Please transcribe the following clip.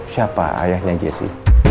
siapa ayahnya jesse